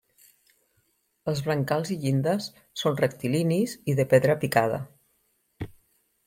Els brancals i llindes són rectilinis i de pedra picada.